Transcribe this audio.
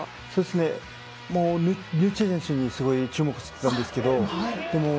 ヌチェ選手にすごい注目していたんですけど。